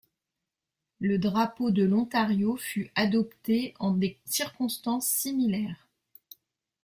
Le drapeau de l'Ontario fut adopté en des circonstances similaires.